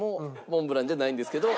モンブランじゃないんですけど。